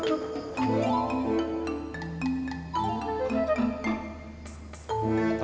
aduh ada ada